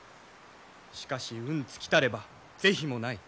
しかし運尽きたれば是非もない。